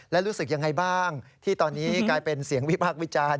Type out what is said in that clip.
และรู้สึกยังไงบ้างที่ตอนนี้กลายเป็นเสียงวิพากษ์วิจารณ์